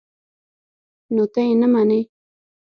_نو ته يې نه منې؟